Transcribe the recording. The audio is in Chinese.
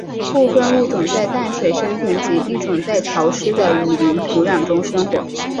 部分物种在淡水生存及一种在潮湿的雨林土壤中生活。